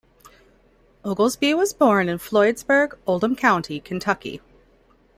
Oglesby was born in Floydsburg, Oldham County, Kentucky.